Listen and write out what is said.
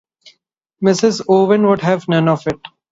Mrs. Owen would have none of it.